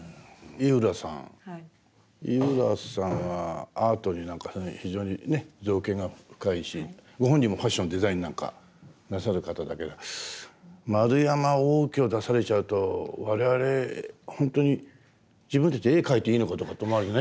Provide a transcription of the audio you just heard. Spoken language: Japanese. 井浦さんはアートに非常に造詣が深いしご本人もファッションデザインなんかなさる方だけど円山応挙を出されちゃうと我々ほんとに自分たち絵描いていいのかとかって思いますね。